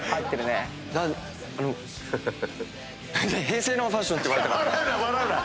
平成のファッションって言われたから。